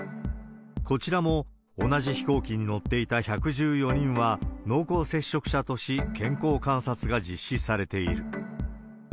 こちらも同じ飛行機に乗っていた１１４人は濃厚接触者とし、健康観察が実施されている。